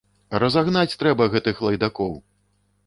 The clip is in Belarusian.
Разагнаць трэба гэтых лайдакоў!